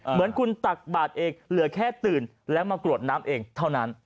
เหมือนคุณตักบาทเองเหลือแค่ตื่นแล้วมากรวดน้ำเองเท่านั้น